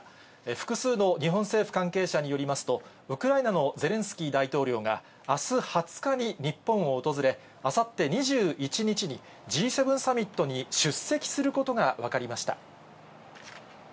複数の日本政府関係者によりますと、ウクライナのゼレンスキー大統領が、あす２０日に日本を訪れ、あさって２１日に、Ｇ７サミットに出席することが分かりました。